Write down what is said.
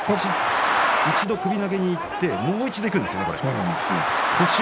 一度首投げにいってもう一度いくんですよね。